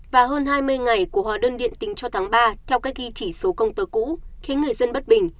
và hơn hai mươi ngày của hóa đơn điện tính cho tháng ba theo cách ghi chỉ số công tơ cũ khiến người dân bất bình